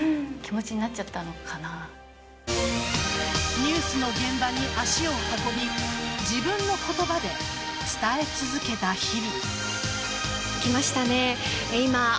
ニュースの現場に足を運び自分の言葉で伝え続けた日々。